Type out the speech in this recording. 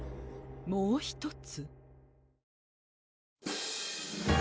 もう１つ？